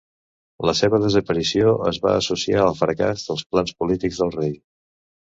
La seva desaparició es va associar al fracàs dels plans polítics del rei.